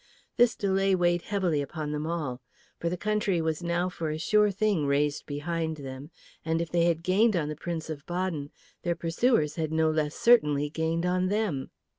This delay weighed heavily upon them all. For the country was now for a sure thing raised behind them, and if they had gained on the Prince of Baden, their pursuers had no less certainly gained on them.